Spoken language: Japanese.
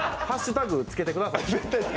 ハッシュタグつけてください。